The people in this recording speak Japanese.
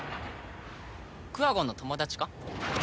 クワゴンの友達か？